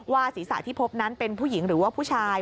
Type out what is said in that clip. ศีรษะที่พบนั้นเป็นผู้หญิงหรือว่าผู้ชาย